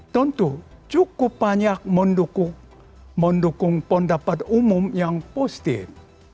tentu cukup banyak mendukung pendapat umum yang positif